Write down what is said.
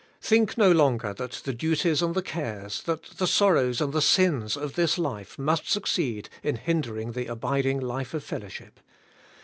Think no longer that the duties and the cares, that the sorrows and the sins of this life must succeed in hindering the abiding life of fellowship.